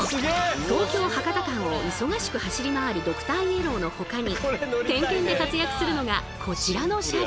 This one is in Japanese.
東京博多間を忙しく走り回るドクターイエローのほかに点検で活躍するのがこちらの車両！